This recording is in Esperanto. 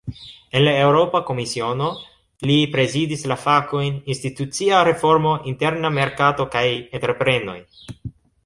En la Eŭropa Komisiono, li prezidis la fakojn "institucia reformo, interna merkato kaj entreprenoj".